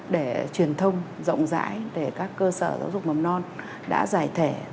để truyền thông rộng rãi để các cơ sở giáo dục mầm non đã giải thể